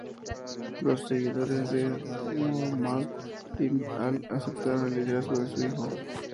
Los seguidores de Muhammad Ibn Al, aceptaron el liderazgo de su hijo.